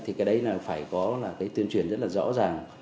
thì cái đấy phải có tuyên truyền rất là rõ ràng